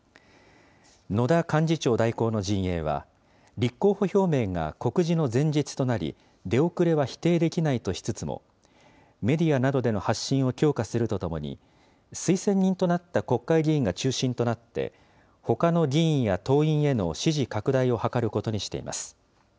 野田幹事長代行の陣営は、立候補表明が告示の前日となり、出遅れは否定できないとしつつも、メディアなどでの発信を強化するとともに、推薦人となった国会議員が中心となって、ほかの議員や党員への支持拡大を図ることにしています。